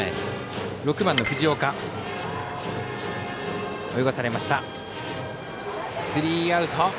６番、藤岡スリーアウト。